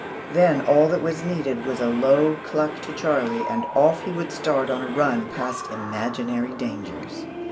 Then all that was needed was a low cluck to Charlie, and off he would start on a run past imaginary dangers.